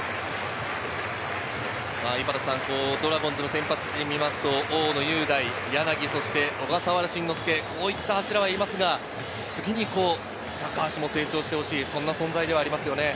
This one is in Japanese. ドラゴンズの先発陣を見ると、大野雄大、柳、小笠原慎之介、こういった柱はいますが、次に高橋も成長してほしい存在ですよね。